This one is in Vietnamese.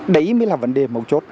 đấy mới là vấn đề một chút